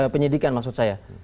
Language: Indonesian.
penyidikan maksud saya